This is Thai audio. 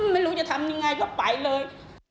ไม่รู้จะทำยังไงก็ไปเลย